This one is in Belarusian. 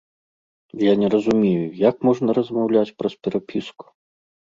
Я не разумею, як можна размаўляць праз перапіску.